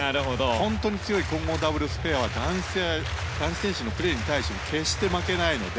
本当に強い混合ダブルスペアは男性選手のプレーに対しても決して負けないので。